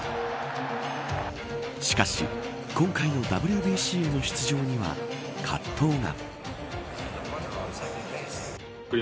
しかし今回のＷＢＣへの出場には葛藤が。